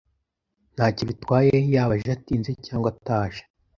Ntacyo bitwaye yaba aje atinze cyangwa ataje.